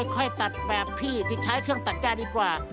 ค่อยตัดแบบพี่ที่ใช้เครื่องตัดย่าดีกว่า